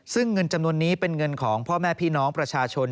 ซึ่งเงินจำนวนนี้เป็นเงินของพ่อแม่พี่น้องประชาชน